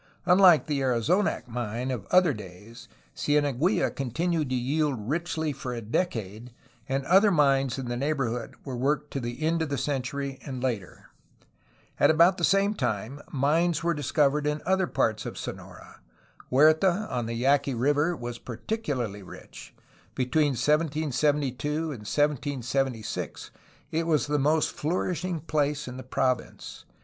Unlike the Arizonac mine of other days Cieneguilla continued to yield richly for a decade, and other mines in the neighborhood were worked to the end of the century and later. At about the same time mines were discovered in other parts of Sonora. Huerta on the Yaqui River was particularly rich; between 1772 and 1776 it was the most flourishing place in the province.